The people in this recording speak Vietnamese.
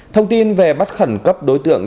thông tin về bắt khẩn cấp đối tượng